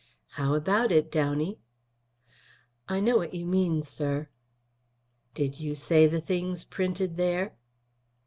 "How about it, Downey?" "I know what you mean, sir." "Did you say the things printed there?"